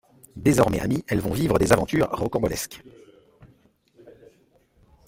Désormais amies, elles vont vivre des aventures rocambolesques.